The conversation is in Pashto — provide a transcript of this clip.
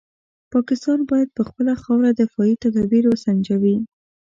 پاکستان باید پر خپله خاوره دفاعي تدابیر وسنجوي.